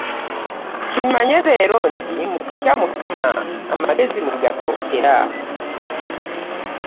Kimanye leero nti mukutya mukama amagezi mwegasokera